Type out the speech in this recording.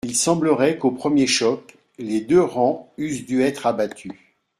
Il semblerait qu'au premier choc les deux rangs eussent dû être abattus.